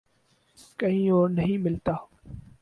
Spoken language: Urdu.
کہیں اور نہیں ملتا۔